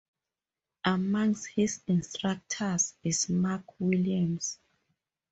Amongst his instructors is Marc Williams.